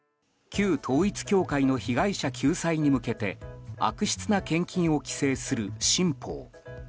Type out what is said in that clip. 旧統一教会の被害者救済に向けて悪質な献金を規制する新法。